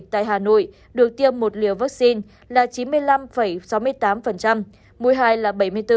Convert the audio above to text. tại hà nội được tiêm một liều vaccine là chín mươi năm sáu mươi tám mũi hai là bảy mươi bốn một mươi năm